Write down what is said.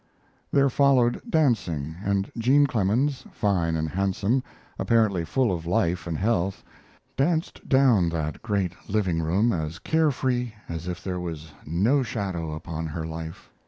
There followed dancing, and Jean Clemens, fine and handsome, apparently full of life and health, danced down that great living room as care free as if there was no shadow upon her life.